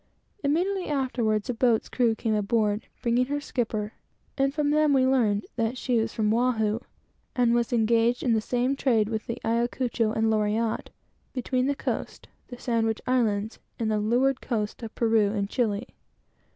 Immediately afterwards, a boat's crew came aboard, bringing her skipper, and from them we learned that she was from Oahu, and was engaged in the same trade with the Ayacucho, Loriotte, etc., between the coast, the Sandwich Islands, and the leeward coast of Peru and Chili.